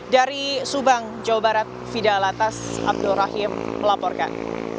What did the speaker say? dari subang jawa barat fidalatas abdul rahim melaporkan